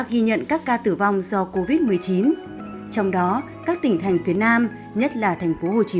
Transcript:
ghi nhận các ca tử vong do covid một mươi chín trong đó các tỉnh thành phía nam nhất là thành phố hồ chí